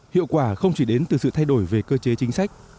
và không chỉ đến từ sự thay đổi về cơ chế chính sách